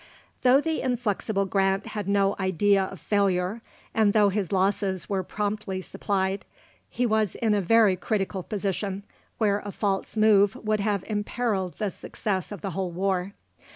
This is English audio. Though the inflexible Grant had no idea of failure, and though his losses were promptly supplied, he was in a very critical position, where a false move would have imperilled the success of the whole war.